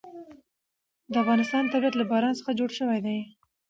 د افغانستان طبیعت له باران څخه جوړ شوی دی.